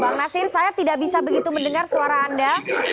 bang nasir saya tidak bisa begitu mendengar suara anda